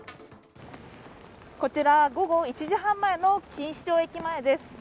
こちら午後１時半前の錦糸町駅前です。